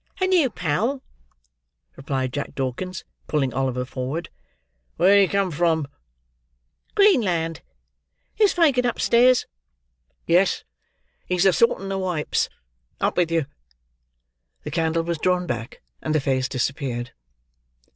"A new pal," replied Jack Dawkins, pulling Oliver forward. "Where did he come from?" "Greenland. Is Fagin upstairs?" "Yes, he's a sortin' the wipes. Up with you!" The candle was drawn back, and the face disappeared.